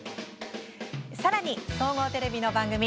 さらに総合テレビの番組。